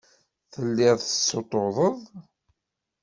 Telliḍ tessuṭṭuḍeḍ.